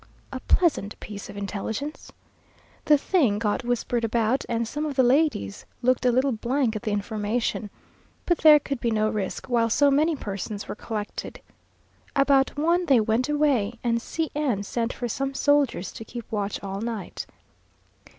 A pleasant piece of intelligence! The thing got whispered about, and some of the ladies looked a little blank at the information; but there could be no risk while so many persons were collected. About one they went away, and C n sent for some soldiers to keep watch all night.